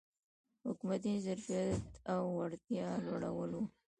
حکومتي ظرفیت او وړتیا لوړول و.